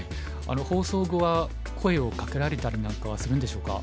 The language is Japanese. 放送後は声をかけられたりなんかはするんでしょうか？